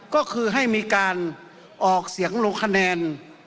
ก็คือให้มีการออกเสียงลงคะแนน